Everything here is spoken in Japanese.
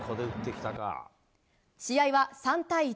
試合は３対１。